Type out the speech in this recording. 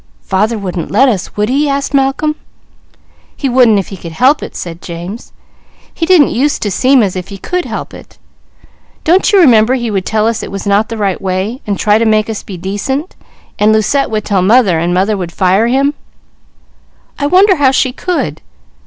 "Father wouldn't let us, would he?" asked Malcolm. "He wouldn't if he could help it," said James. "He didn't used to seem as if he could help it. Don't you remember he would tell us it was not the right way, and try to have us be decent, and Lucette would tell mother, and mother would fire him? I wonder how she could!